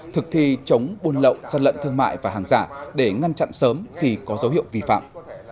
thực thi chống buôn lậu gian lận thương mại và hàng giả để ngăn chặn sớm khi có dấu hiệu vi phạm